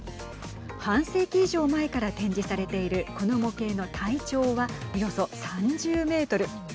半世紀以上前から展示されているこの模型の体長はおよそ３０メートル。